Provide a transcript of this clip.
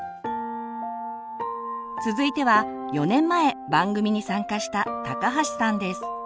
続いては４年前番組に参加した高橋さんです。